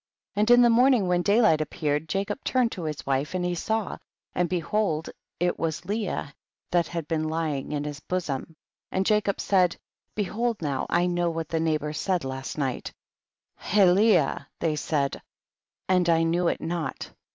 10. And in the morning, when daylight appeared, Jacob turned to his wife and he saw, and behold it was Leah that had been lying in his bosom, and Jacob said, behold now I know what the neighbors said last night, Heleah they said, and I knew it not.